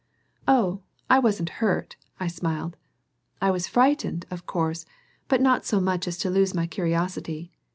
"Oh, I wasn't hurt," I smiled. "I was frightened, of course, but not so much as to lose my curiosity.